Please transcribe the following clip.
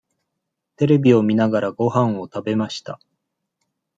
テレビを見ながらごはんを食べました。